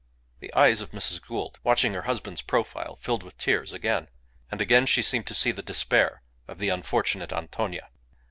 The eyes of Mrs. Gould, watching her husband's profile, filled with tears again. And again she seemed to see the despair of the unfortunate Antonia.